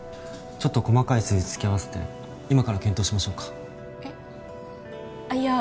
ちょっと細かい数字突き合わせて今から検討しましょうかえっいや